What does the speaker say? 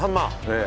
ええ。